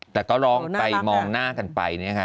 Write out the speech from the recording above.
แต่ก็ร้องไปมองหน้ากันไปนะคะ